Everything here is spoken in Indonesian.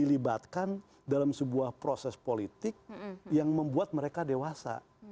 dilibatkan dalam sebuah proses politik yang membuat mereka dewasa